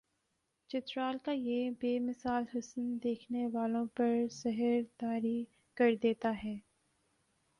چترال کا یہ بے مثال حسن دیکھنے والوں پر سحر طاری کردیتا ہے